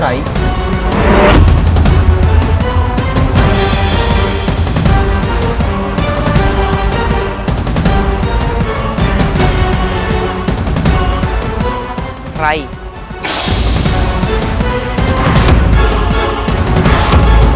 aduh aduh tunggu aja aduh